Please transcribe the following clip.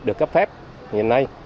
được cấp phép hiện nay